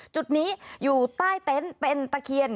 จุดนี้อยู่ใต้เต็นต์เป็นตะเคียน